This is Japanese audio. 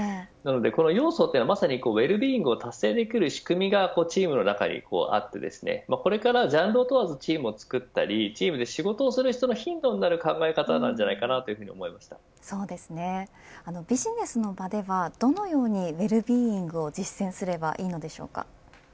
要素というのはまさにウェルビーイングを達成できる仕組みがチームの中にあってこれからジャンルを問わずチームをつくったりチームで仕事をする人のヒントになる考え方ではないかビジネスの場ではどのようにウェルビーイングを実践すればいいのでしょうか。